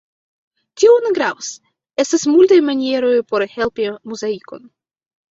Tio ne gravas: estas multaj manieroj por helpi Muzaikon.